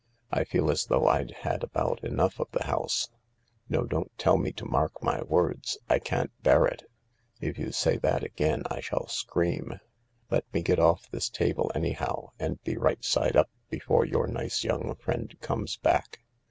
" I feel as though I'd had about enough of the house. No, don't tell me to mark your words — I can't bear it. If you say that again I shall scream. Let me get off this table, anyhow, and be right side up before your nice young friend comes back.